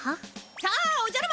さあおじゃる丸